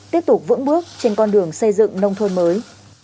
tiếp tục vững bước trên con đường xây dựng nông thôn mới